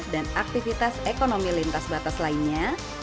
dan aktivitas ekonomi lintas batas lainnya